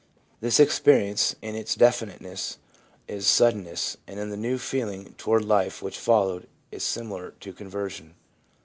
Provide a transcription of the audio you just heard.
This experience in its definiteness, its sudden ness, and in the new feeling toward life which followed, is similar to conversion.